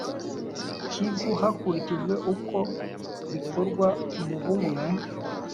kivu hakurikijwe uko bikorwa mu bumwe